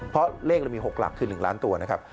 เพราะเลขเรามี๖หลักคือ๑ล้านตัวนะครับ